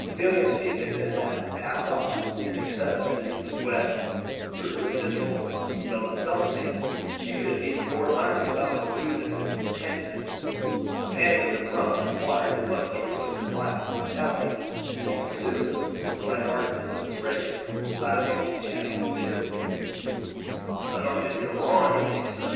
The feeling of seasickness had passed off, and except that he was wet through and miserable, he felt himself again, and could have eaten four times the allowance of food that Vincent handed him. A pannikin of rum and water did much to restore his life and vitality, and he was soon, with the light heartedness of his race, laughing and chatting cheerfully. "How long dis go on, you tink, sah?"